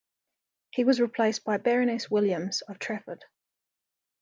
He was replaced by Baroness Williams of Trafford.